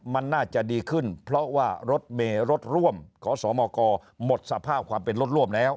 มันน่าจะดีขึ้นเพราะว่ารถเมฆรถร่วม